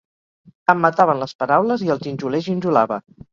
Em mataven les paraules i el ginjoler ginjolava.